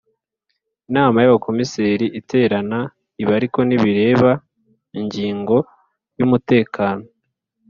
inama y Abakomiseri iterana ibi ariko ntibireba ingingo y umutekano